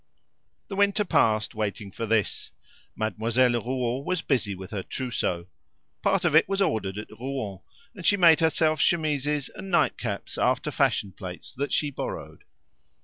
The winter passed waiting for this. Mademoiselle Rouault was busy with her trousseau. Part of it was ordered at Rouen, and she made herself chemises and nightcaps after fashion plates that she borrowed.